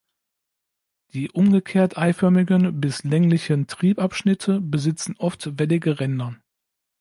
Die umgekehrt-eiförmigen bis länglichen Triebabschnitte besitzen oft wellige Ränder.